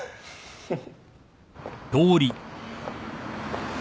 フフ。